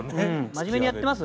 真面目にやってます？